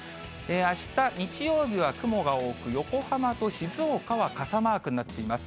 あした日曜日は雲が多く、横浜と静岡は傘マークになっています。